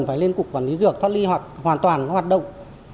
phải lên cục quản lý dược thoát ly hoàn toàn hoạt động